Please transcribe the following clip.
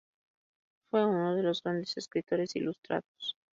Fue uno de los grandes escritores ilustrados.